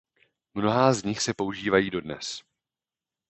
Mnohá z nich se používají dodnes.